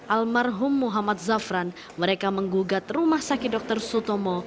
almarhum muhammad zafran mereka menggugat rumah sakit dr sutomo